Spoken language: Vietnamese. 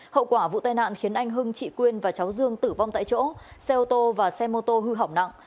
hậu quả vụ tai nạn khiến anh hưng chị quyên và cháu dương tử vong tại chỗ xe ô tô và xe mô tô hư hỏng nặng